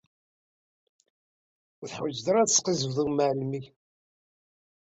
Ur teḥwaǧeḍ ara ad tesqizzbeḍ i umεellem-ik.